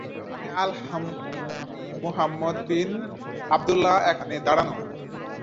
আমি Muhammad bin Abdullah এখানে দাঁড়ানো।